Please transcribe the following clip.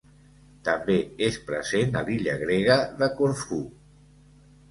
També és present a l'illa grega de Corfú.